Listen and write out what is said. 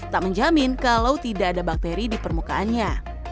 tak menjamin kalau tidak ada bakteri di permukaannya